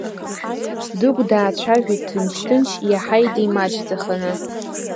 Дыгә даацәажәеит ҭынч-ҭынч, иаҳаидеи маҷӡаханы.